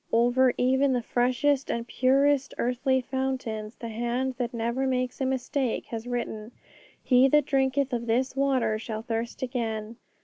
Over even the freshest and purest earthly fountains the Hand that never makes a mistake has written, 'He that drinketh of this water shall thirst again.'